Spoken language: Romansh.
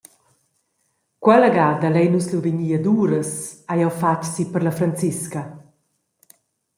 ‹Quella gada lein nus lu vegnir ad uras›, hai jeu fatg siper la Franzisca.